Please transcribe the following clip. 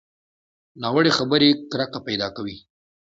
ناوړه خبرې کرکه پیدا کوي